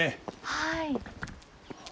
はい。